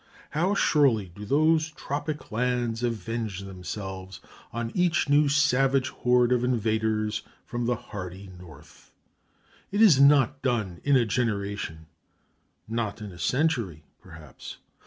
] How surely do those tropic lands avenge themselves on each new savage horde of invaders from the hardy North. It is not done in a generation, not in a century, perhaps.